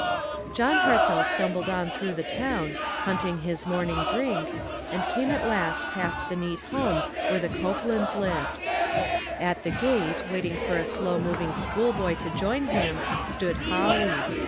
John Hartzell stumbled on through the town, hunting his morning drink, and came at last past the neat home where the Cope lands lived. At the gate, waiting for a slow moving schoolboy to join him, stood Holly.